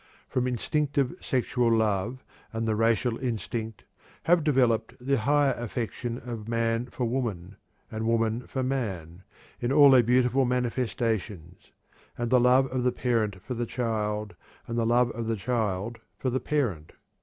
From instinctive sexual love and the "racial instinct" have developed the higher affection of man for woman, and woman for man, in all their beautiful manifestations and the love of the parent for the child, and the love of the child for the parent.